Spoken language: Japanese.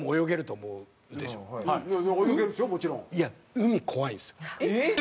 海怖いんですよ。えっ？